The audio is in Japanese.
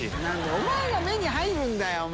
お前が目に入るんだよ。